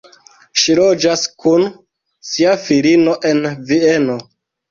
Ŝi loĝas kun sia filino en Vieno.